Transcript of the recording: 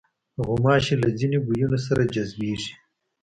غوماشې له ځینو بویونو سره جذبېږي.